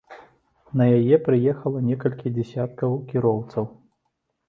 На яе прыехала некалькі дзясяткаў кіроўцаў.